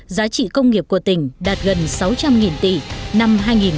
giá trị công nghiệp của tỉnh đạt gần sáu trăm linh tỷ năm hai nghìn một mươi bảy